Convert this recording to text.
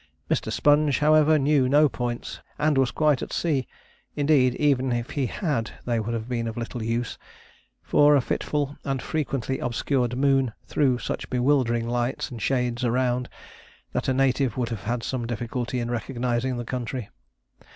Mr. Sponge, however, knew no points, and was quite at sea; indeed, even if he had, they would have been of little use, for a fitful and frequently obscured moon threw such bewildering lights and shades around, that a native would have had some difficulty in recognizing the country.